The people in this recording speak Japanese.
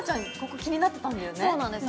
そうなんです